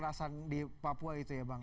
jadi kekerasan di papua itu ya bang